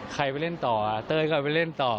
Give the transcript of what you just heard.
ใครไปเล่นต่อถ้าเต้ยเขาก็ไปเล่นต่อ